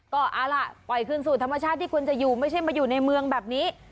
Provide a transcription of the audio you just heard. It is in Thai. ก็เอาล่ะปล่อยคืนสู่ธรรมชาติที่ควรจะอยู่ไม่ใช่มาอยู่ในเมืองแบบนี้